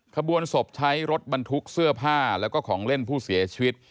ขบวนศพใช้รถบรรทุกเสื้อผ้าแล้วก็ของเล่นผู้เสียชีวิต